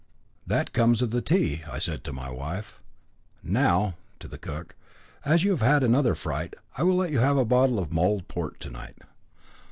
"That comes of the tea," said I to my wife. "Now," to the cook, "as you have had another fright, I will let you have a bottle of mulled port to night."